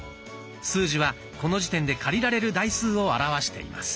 数字はこの時点で借りられる台数を表しています。